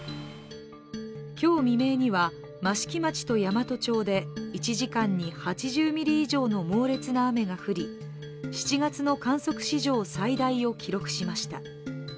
今日未明には益城町と山都町で１時間に８０ミリ以上の猛烈な雨が降り、７月の観測史上最大を記録しました。